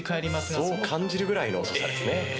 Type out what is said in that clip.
そう感じるぐらいの遅さですね。